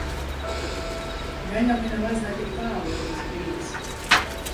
Gan jau, ka nemaz ne tik tālu ir tas brīdis.